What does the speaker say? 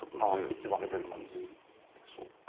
一手負けてる感じでしょうか。